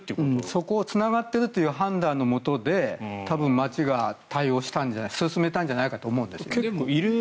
そこがつながっているという判断のもとで多分、町が進めたんじゃないかと思うんですね。